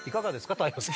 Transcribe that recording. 太陽さん。